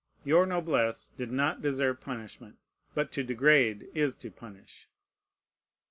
Your noblesse did not deserve punishment; but to degrade is to punish.